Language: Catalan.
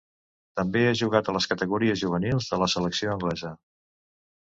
També ha jugat a les categories juvenils de la selecció anglesa.